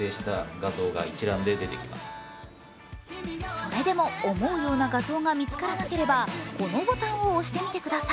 それでも思うような画像が見つからなければこのボタンを押してみてください。